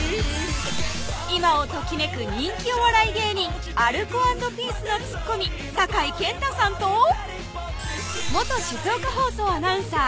今をときめく人気お笑い芸人アルコ＆ピースのツッコミ・酒井健太さんと元静岡放送アナウンサー